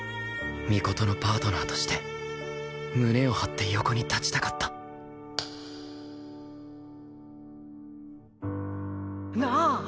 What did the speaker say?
尊のパートナーとして胸を張って横に立ちたかったなあ！